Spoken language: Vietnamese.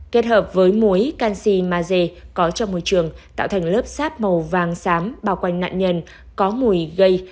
kết hợp với muối canxi maze có trong môi trường tạo thành lớp sáp màu vàng sám bao quanh nạn nhân có mùi gây